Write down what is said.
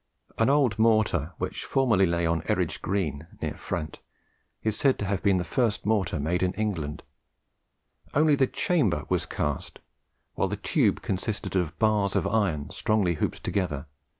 An old mortar which formerly lay on Eridge Green, near Frant, is said to have been the first mortar made in England; only the chamber was cast, while the tube consisted of bars strongly hooped together.